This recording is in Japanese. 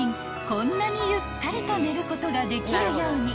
こんなにゆったりと寝ることができるように］